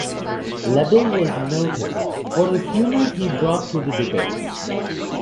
Lebel was noted for the humour he brought to the debates.